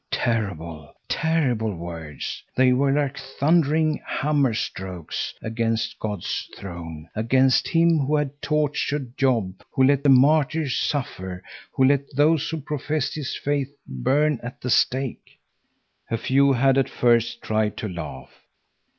Terrible, terrible words! They were like thundering hammer strokes against God's throne. Against Him who had tortured Job, who had let the martyrs suffer, who let those who professed his faith burn at the stake. A few had at first tried to laugh.